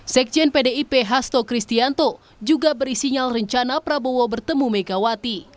sekjen pdip hasto kristianto juga beri sinyal rencana prabowo bertemu megawati